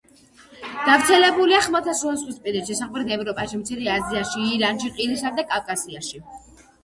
გავრცელებულია ხმელთაშუაზღვისპირეთში, სამხრეთ ევროპაში, მცირე აზიაში, ირანში, ყირიმსა და კავკასიაში.